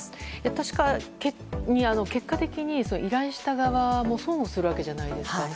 確かに、結果的に依頼した側も損をするわけじゃないですか。